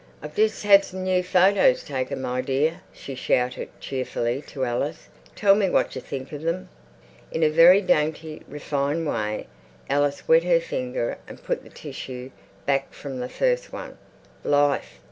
"I've just had some new photers taken, my dear," she shouted cheerfully to Alice. "Tell me what you think of them." In a very dainty, refined way Alice wet her finger and put the tissue back from the first one. Life!